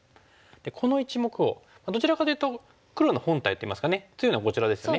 この１目をどちらかというと黒の本体といいますか強いのはこちらですね。